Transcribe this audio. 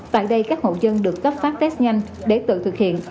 tại đây các hộ dân được cấp phát test nhanh để tự thực hiện